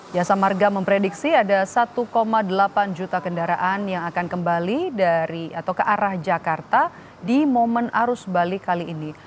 jasa marga memprediksi ada satu delapan juta kendaraan yang akan kembali atau ke arah jakarta di momen arus balik kali ini